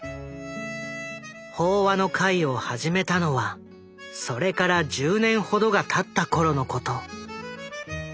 法話の会を始めたのはそれから１０年ほどがたった頃のこと。